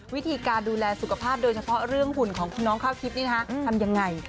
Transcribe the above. วิธีการดูแลสุขภาพโดยเฉพาะเรื่องหุ่นของคุณน้องข้าวทิพย์นี่นะคะทำยังไง